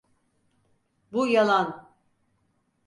Bu yalan!